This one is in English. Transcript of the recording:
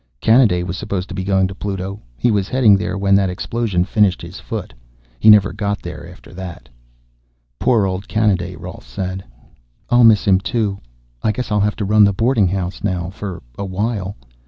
"Kanaday was supposed to be going to Pluto. He was heading there when that explosion finished his foot. He never got there after that." "Poor old Kanaday," Rolf said. "I'll miss him too. I guess I'll have to run the boarding house now. For a while.